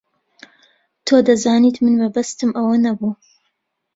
تۆ دەزانیت من مەبەستم ئەوە نەبوو.